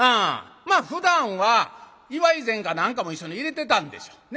ふだんは祝い膳か何かも一緒に入れてたんでしょうね。